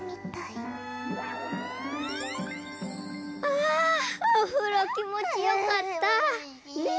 あおふろきもちよかった。ね。